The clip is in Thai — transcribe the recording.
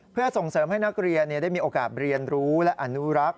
เพื่อส่งเสริมให้นักเรียนได้มีโอกาสเรียนรู้และอนุรักษ์